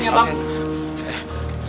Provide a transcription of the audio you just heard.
saya bantu ini sebentar ya pak